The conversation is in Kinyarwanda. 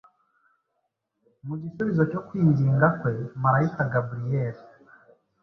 Mu gisubizo cyo kwinginga kwe malayika Gaburiyeli